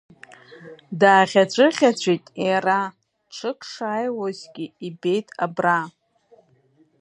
Дааӷьаҵәыӷьаҵәит иара, ҽык шааиуазгьы ибеит абра.